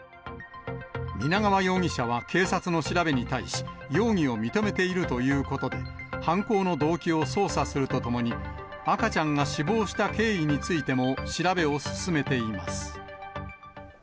皆川容疑者は警察の調べに対し、容疑を認めているということで、犯行の動機を捜査するとともに、赤ちゃんが死亡した経緯についても調べを進めています。